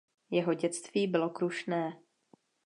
Jeho dětství bylo krušné.